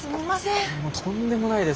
とんでもないです。